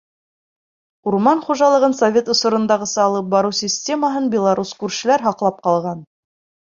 Урман хужалығын совет осорондағыса алып барыу системаһын белорус күршеләр һаҡлап ҡалған.